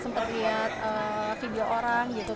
sempat lihat video orang gitu